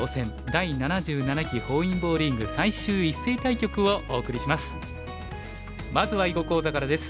第７７期本因坊リーグ最終一斉対局」をお送りします。